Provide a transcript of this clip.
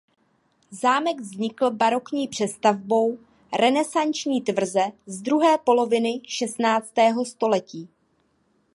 Zámek vznikl barokní přestavbou renesanční tvrze z druhé poloviny šestnáctého století.